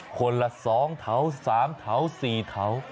คนละ๒เถา๓เถา๔เถา